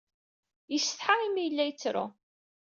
Yessetḥa imi ay yella yettru.